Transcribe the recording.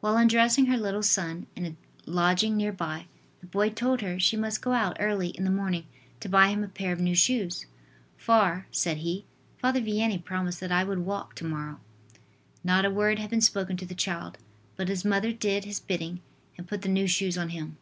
While undressing her little son, in a lodging near by, the boy told her she must go out early in the morning to buy him a pair of new shoes. "For," said he, "Father Vianney promised that I would walk to morrow." Not a word had been spoken to the child, but his mother did his bidding, and put the new shoes on him.